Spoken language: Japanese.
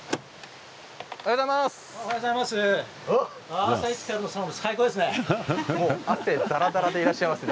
おはようございます。